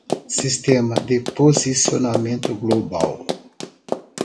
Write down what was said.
Sistema de posicionamento global